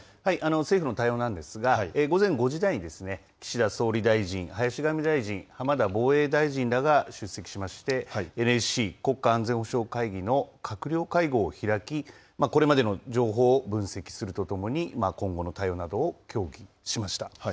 政府の対応なんですが、午前５時台に岸田総理大臣、林外務大臣、浜田防衛大臣らが出席しまして、ＮＳＣ・国家安全保障会議の閣僚会合を開き、これまでの情報を分析するとともに、今後の対応などを協議しました。